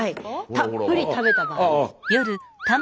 たっぷり食べた場合。